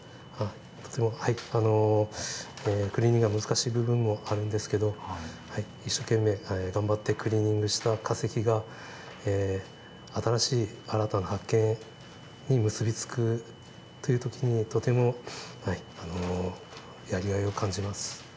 とてもクリーニングは難しい部分もあるんですけれど一生懸命頑張ってクリーニングした化石が新しい新たな発見に結び付くという時にとてもやりがいを感じます。